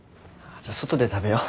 じゃあ外で食べよう。